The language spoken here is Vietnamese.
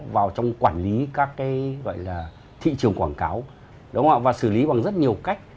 vào trong quản lý các thị trường quảng cáo và xử lý bằng rất nhiều cách